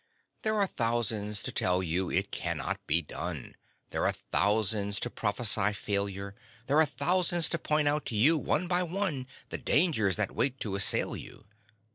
There are thousands to tell you it cannot be done, There are thousands to prophesy failure; There are thousands to point out to you one by one, The dangers that wait to assail you.